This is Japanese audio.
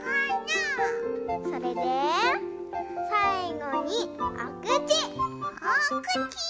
それでさいごにおくち！おくち！